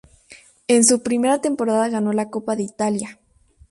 En su primera temporada ganó la Copa de Italia.